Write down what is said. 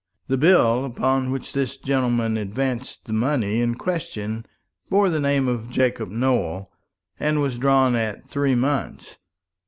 The bill upon which this gentleman advanced the money in question bore the name of Jacob Nowell, and was drawn at three months.